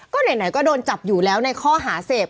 ก็ไหนก็โดนจับอยู่แล้วในข้อหาเสพ